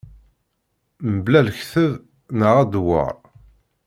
Mebla lekteb neɣ adewwer.